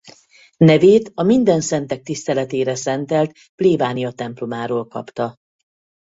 Nevét a Mindenszentek tiszteletére szentelt plébániatemplomáról kapta.